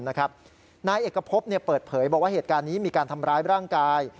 นายเอกพบเปิดเผยบอกว่าเหตุการณ์นี้มีการทำร้ายร่างกาย